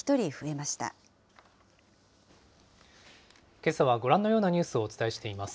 けさはご覧のようなニュースをお伝えしています。